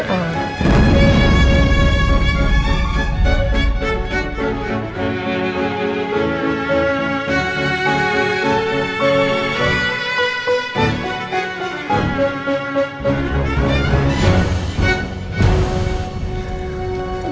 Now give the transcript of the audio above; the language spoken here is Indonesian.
tapi kamu sudah menikah sama al